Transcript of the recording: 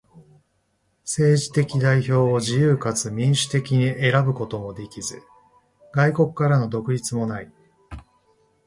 政治的代表を自由かつ民主的に選ぶこともできず、外国からの独立もない。